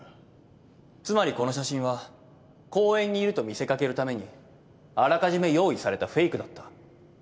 つまりこの写真は公園にいると見せ掛けるためにあらかじめ用意されたフェイクだった。